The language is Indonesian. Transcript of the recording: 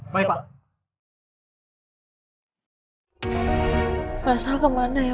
masalah kemana ya